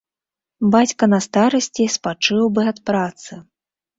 Бацька на старасці спачыў бы ад працы.